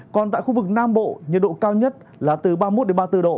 còn tại khu vực nam bộ nhiệt độ cao nhất là từ ba mươi một ba mươi bốn độ